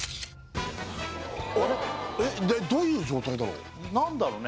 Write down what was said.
えっどういう状態だろう？